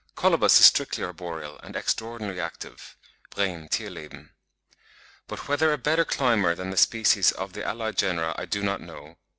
Colobus is strictly arboreal and extraordinarily active (Brehm, 'Thierleben,' B. i. s. 50), but whether a better climber than the species of the allied genera, I do not know.